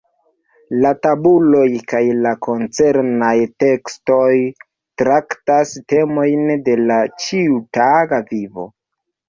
La tabuloj kaj la koncernaj tekstoj traktas temojn de la ĉiutaga vivo.